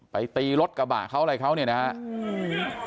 ตีรถกระบะเขาอะไรเขาเนี่ยนะครับ